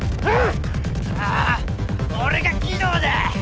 ⁉ああ俺が鬼道だ！